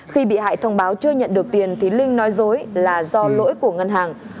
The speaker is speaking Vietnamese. khi bị hại thông báo chưa nhận được tiền thì linh nói dối là do lỗi của ngân hàng